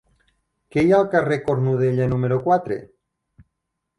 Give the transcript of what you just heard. Què hi ha al carrer de Cornudella número quatre?